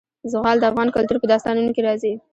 زغال د افغان کلتور په داستانونو کې راځي.